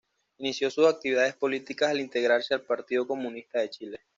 Inició sus actividades políticas al integrarse al Partido Comunista de Chile.